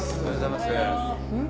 うん？